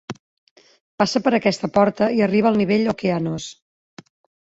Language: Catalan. Passa per aquesta porta, i arriba al nivell Okeanos.